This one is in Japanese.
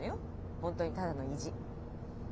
本当にただの意地。